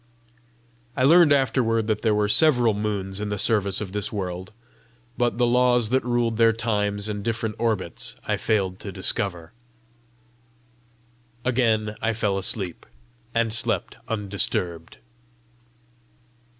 I learned afterward that there were several moons in the service of this world, but the laws that ruled their times and different orbits I failed to discover. Again I fell asleep, and slept undisturbed.